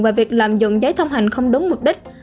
và việc làm dụng giấy thông hành không đúng mục đích